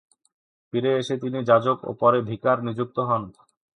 ফিরে এসে তিনি যাজক ও পরে ভিকার নিযুক্ত হন।